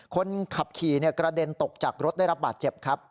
คนขับขี่กระเด็นตกจากรถได้รับบาดเจ็บครับ